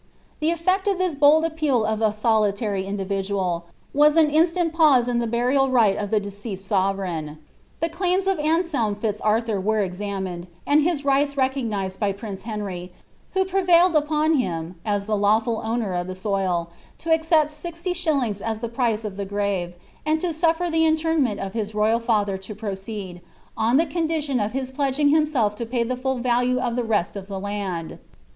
''* The eflect of this bold appeal of a solitary individual, was an instant giose in the burial rite of the deceased sovereign. The claims of Anselm itz Arthur were examined, and his rights recognised by prince Henry, who prevailed upon him, as the lawful owner of the soil, to accept sixty •hillings as the price of the grave, and to sufler the interment of his royal &ther to proceed, on the condition of his pledging himself to pay the fall value of the rest of the land.